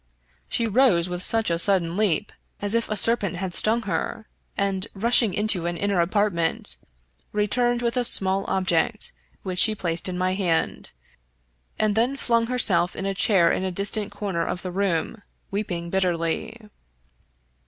She rose with a sudden leap, as if a serpent had stung her, and, rush ing into an inner apartment, returned with a small object which she placed in my hand, and then flung herself in a chair in a distant corner of the room, weeping bitterly.